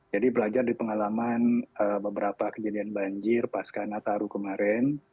jadi belajar dari pengalaman beberapa kejadian banjir pas karena taruh kemarin